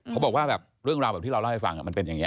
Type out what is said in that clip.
เขาบอกแบบเรื่องราวแบบที่เราเล่าให้ฟังมันเป็นอย่างนี้